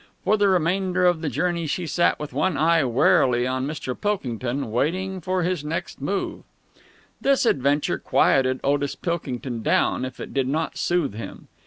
For the remainder of the journey she sat with one eye warily on Mr. Pilkington, waiting for his next move. This adventure quieted Otis Pilkington down, if it did not soothe him.